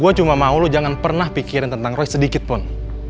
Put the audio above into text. gue cuma mau lo jangan pernah pikirin tentang roy sedikitpun